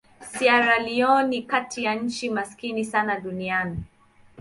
Sierra Leone ni kati ya nchi maskini sana duniani.